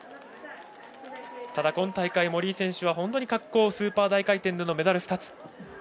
ただ今大会、森井選手は本当に滑降、スーパー大回転でのメダル２つ。